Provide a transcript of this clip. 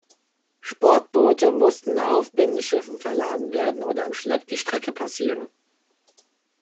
Sportboote mussten auf Binnenschiffe verladen werden oder im Schlepp die Strecke passieren.